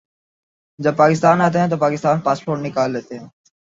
جب پاکستان آتے ہیں تو پاکستانی پاسپورٹ نکال لیتے ہیں